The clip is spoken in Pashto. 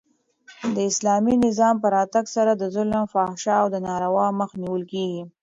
د اسلامي نظام په راتګ سره د ظلم، فحشا او ناروا مخ نیول کیږي.